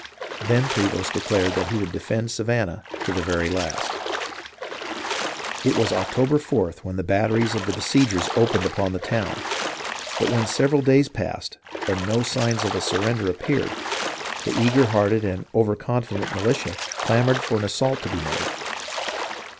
Then Prevost declared that he would defend Savannah to the very last. It was October 4th when the batteries of the besiegers opened upon the town, but when several days passed and no signs of a surrender appeared, the eager hearted and over confident militia clamoured for an assault to be made.